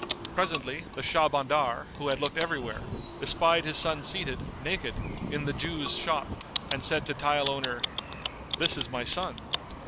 Presently, the Shahbandar, who had looked everywhere, espied his son seated, naked, in the Jew's shop and said to the owner, "This is my son."